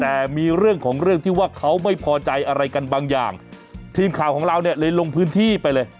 แต่มีเรื่องของเรื่องที่ว่าเขาไม่พอใจอะไรกันบางอย่างทีมข่าวของเราเนี่ยเลยลงพื้นที่ไปเลย